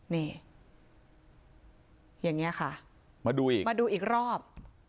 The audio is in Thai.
นี่อย่างนี้ค่ะมาดูอีกรอบ